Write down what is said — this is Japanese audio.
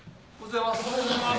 おはようございます！